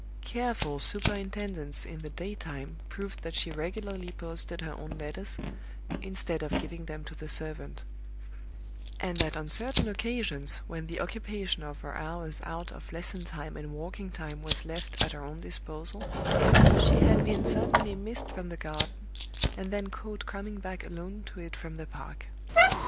Careful superintendence in the day time proved that she regularly posted her own letters, instead of giving them to the servant; and that on certain occasions, when the occupation of her hours out of lesson time and walking time was left at her own disposal, she had been suddenly missed from the garden, and then caught coming back alone to it from the park.